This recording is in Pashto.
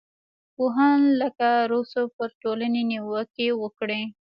پوهان لکه روسو پر ټولنې نیوکې وکړې.